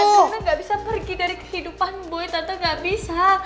tante gak bisa pergi dari kehidupan boy tante gak bisa